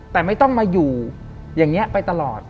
แต่ไม่ต้องมาอยู่อย่างนี้ไปตลอด